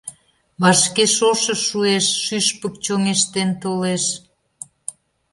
Вашке шошо шуэш, шӱшпык чоҥештен толеш...